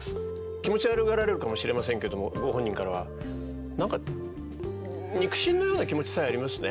気持ち悪がられるかもしれませんけどもご本人からは何か肉親のような気持ちさえありますね。